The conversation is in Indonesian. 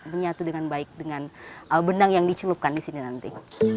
menyatu dengan baik dengan benang yang dicelupkan di sini nanti